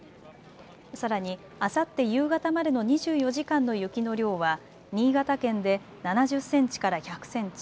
さらに、あさって夕方までの２４時間の雪の量は新潟県で７０センチから１００センチ